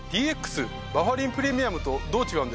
バファリンプレミアムと。